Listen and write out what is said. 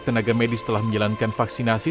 tenaga medis telah menjalankan vaksinasi